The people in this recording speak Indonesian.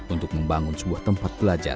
untuk membangun sebuah tempat belajar